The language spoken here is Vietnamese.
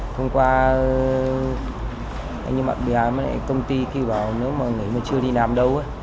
thông qua anh như bạn bè công ty kêu bảo nếu mà nghỉ mà chưa đi làm đâu